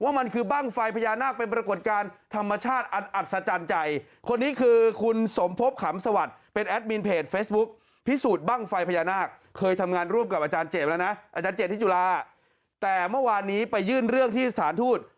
อาจารย์๗ที่จุฬาแต่เมื่อวานนี้ไปยื่นเรื่องที่สารทูต